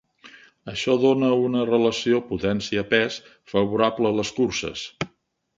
Això dona una relació potència-pes favorable a les curses.